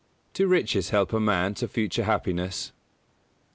Do riches help a man to future happiness?